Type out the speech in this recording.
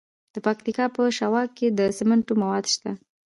د پکتیا په شواک کې د سمنټو مواد شته.